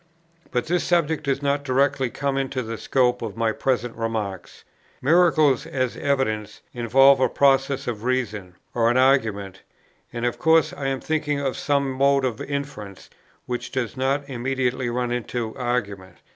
But that subject does not directly come into the scope of my present remarks. Miracles as evidence, involve a process of reason, or an argument; and of course I am thinking of some mode of interference which does not immediately run into argument.